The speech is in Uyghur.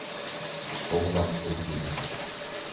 ئوغلاق ئوت يېدى.